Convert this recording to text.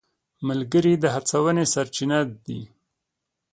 ملګري د هڅونې سرچینه دي.